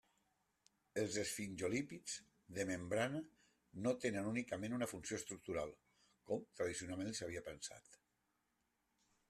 Els esfingolípids de membrana no tenen únicament una funció estructural, com tradicionalment s'havia pensat.